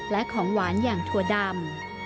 และของหวานอย่างถั่วดำ